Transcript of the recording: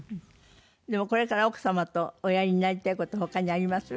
でもこれから奥様とおやりになりたい事他にあります？